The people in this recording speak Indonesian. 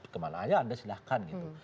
kemana aja anda silahkan gitu